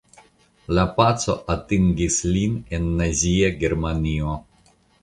La paco atingis lin en nazia Germanio.